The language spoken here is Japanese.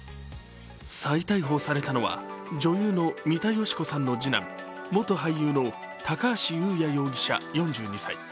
再逮捕されたのは女優の三田佳子さんの次男、元俳優の高橋祐也容疑者４２歳。